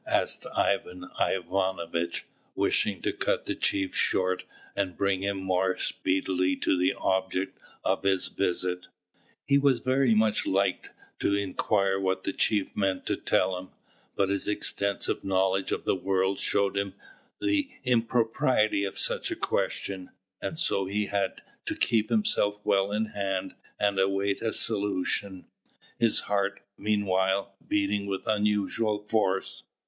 asked Ivan Ivanovitch, wishing to cut the chief short and bring him more speedily to the object of his visit. He would have very much liked to inquire what the chief meant to tell him, but his extensive knowledge of the world showed him the impropriety of such a question; and so he had to keep himself well in hand and await a solution, his heart, meanwhile, beating with unusual force.